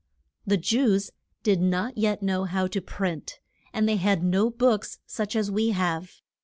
The Jews did not yet know how to print, and they had no books such as we have.